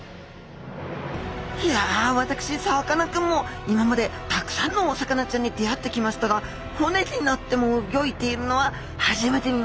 いや私さかなクンも今までたくさんのお魚ちゃんに出会ってきましたが骨になってもうギョいているのは初めて見ました！